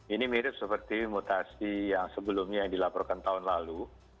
ini mirip seperti mutasi yang sebelumnya dilaporkan tahun lalu